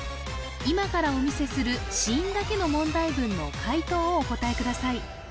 今からお見せする子音だけの問題文の解答をお答えください